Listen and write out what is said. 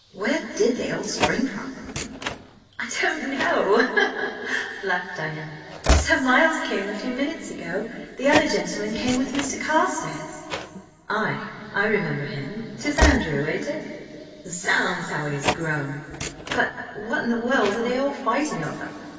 "Where did they all spring from?" "I don't quite know!" laughed Diana. "Sir Miles came a few minutes ago–the other gentleman came with Mr. Carstares." "Ay, I remember him–'tis Andrew, eh, Dick? Zounds! how he has grown! But what in the world are they all fighting over?